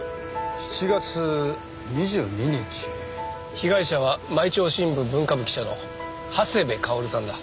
被害者は毎朝新聞文化部記者の長谷部薫さんだ。